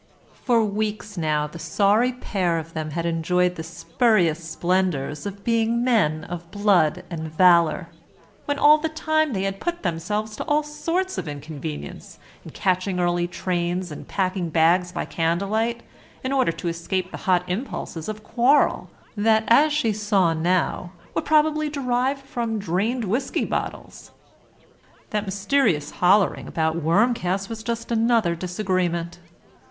For weeks now the sorry pair of them had enjoyed the spurious splendours of being men of blood and valour, when all the time they had put themselves to all sorts of inconvenience in catching early trains and packing bags by candle light in order to escape the hot impulses of quarrel that, as she saw now, were probably derived from drained whisky bottles. That mysterious holloaing about worm casts was just such another disagreement.